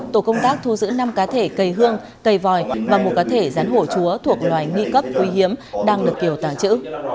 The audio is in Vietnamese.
tổ công tác thu giữ năm cá thể cây hương cây vòi và một cá thể rắn hổ chúa thuộc loài nguy cấp quý hiếm đang được kiều tàng trữ